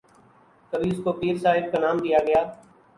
کبھی اسکو پیر صاحب کا نام دیا گیا